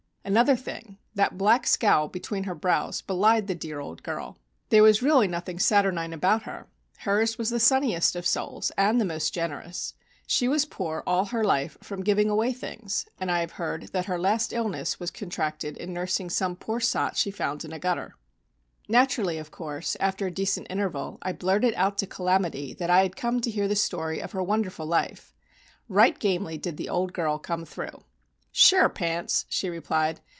Another thing: that black scowl between her brows belied the dear old girl. There was really nothing saturnine about her. Hers was the sunniest of souls, and the most generous. She was poor all her life from giving away things, and I have heard that her last illness was contracted in nursing some poor sot she found in a gutter. [Illustration: "CALAMITY JANE" IN 1885] [Illustration: I FOUND "CALAMITY" SMOKING A CIGAR AND COOKING BREAKFAST] Naturally, of course, after a decent interval, I blurted out to "Calamity" that I had come to hear the story of her wonderful life. Right gamely did the old girl come through. "Sure, Pants," she replied.